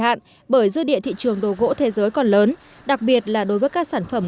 hạn bởi dư địa thị trường đồ gỗ thế giới còn lớn đặc biệt là đối với các sản phẩm